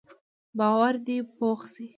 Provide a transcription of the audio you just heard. باور دې پوخ شي.